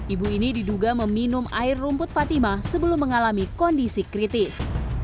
ibu ini diduga meminum air rumput fatima sebelum mengalami kondisi kritis